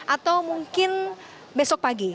atau mungkin besok pagi